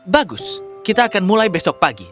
bagus kita akan mulai besok pagi